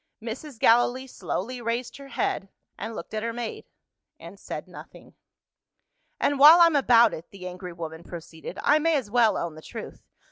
Mrs. Gallilee slowly raised her head, and looked at her maid and said nothing. "And while I'm about it," the angry woman proceeded, "I may as well own the truth.